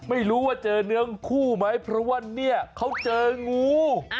ไม่รู้ว่าเจอเนื้องคู่ไหมเพราะว่าเนี่ยเขาเจองู